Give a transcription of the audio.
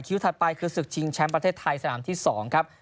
ถัดไปคือศึกชิงแชมป์ประเทศไทยสนามที่๒ครับ